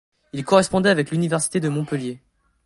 Il correspondait avec l'université de Montpellier.